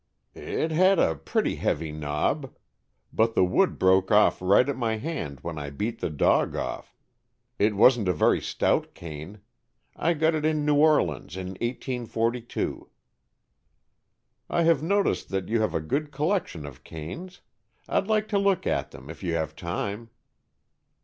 "It had a pretty heavy knob. But the wood broke off right at my hand when I beat the dog off. It wasn't a very stout cane. I got it in New Orleans in 1842." "I have noticed that you have a good collection of canes. I'd like to look at them, if you have time."